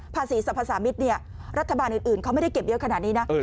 ภาษีสรรพสามิตรรัฐบาลอื่นเขาไม่ได้เก็บเยอะขนาดนี้นะ